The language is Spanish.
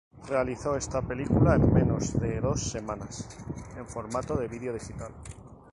Realizó esta película en menos de dos semanas, en formato de vídeo digital.